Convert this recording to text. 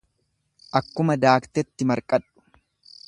Akkuma daaktetti marqadhu.